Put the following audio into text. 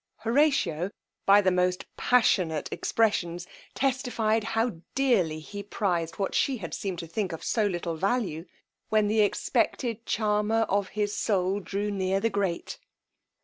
Horatio, by the most passionate expressions, testified how dearly he prized what she had seemed to think of so little value, when the expected charmer of his soul drew near the grate.